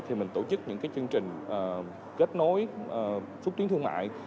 thì mình tổ chức những cái chương trình kết nối phút tiếng thương mại